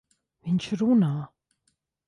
Viņš runā!